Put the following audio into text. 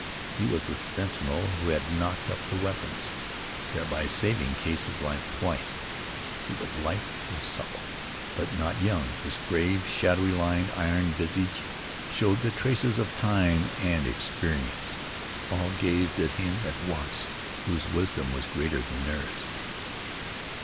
He was the sentinel who had knocked up the weapons, thereby saving Case's life twice. He was lithe and supple, but not young. His grave, shadowy lined, iron visage showed the traces of time and experience. All gazed at him as at one whose wisdom was greater than theirs.